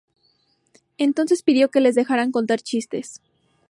Entonces pidió que le dejaran contar chistes.